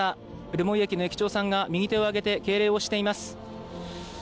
留萌駅の駅長さんが右手を挙げて敬礼をしています。